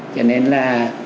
cho nên là